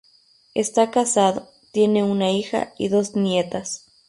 Está casado, tiene una hija y dos nietas.